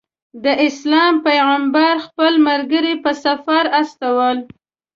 د اسلام پیغمبر خپل ملګري په سفر استول.